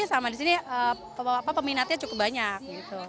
sama di sini peminatnya cukup banyak